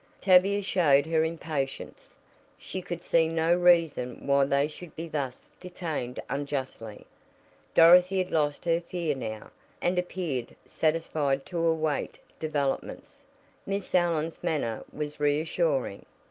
Tavia showed her impatience she could see no reason why they should be thus detained unjustly. Dorothy had lost her fear now, and appeared satisfied to await developments. Miss Allen's manner was reassuring.